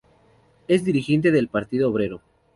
Es dirigente del Partido Obrero.